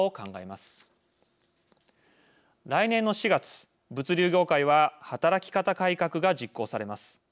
来年の４月物流業界は働き方改革が実行されます。